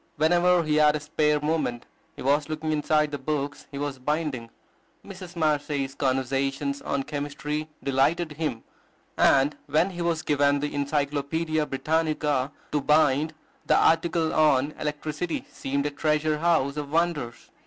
Whenever he had a spare moment, he was looking inside the books he was binding. Mrs. Marcet's "Conversations in Chemistry" delighted him; and when he was given the "Encyclopedia Britannica" to bind, the article on Electricity seemed a treasure house of wonders.